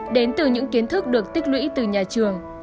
đến từ những kiến thức được tích lũy từ nhà trường